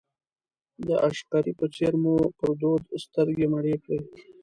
د عشقري په څېر مو پر دود سترګې مړې کړې.